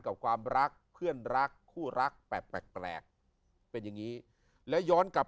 กับความรักเพื่อนรักคู่รักแปลกเป็นอย่างนี้และย้อนกลับ